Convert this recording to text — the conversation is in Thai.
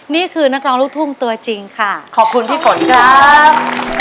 นี่คือนักร้องลูกทุ่งตัวจริงค่ะขอบคุณพี่ฝนครับ